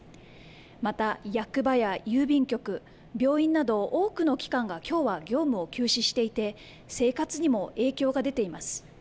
また役場や郵便局、病院など多くの機関がきょうは業務を休止していて生活にも影響が出ています。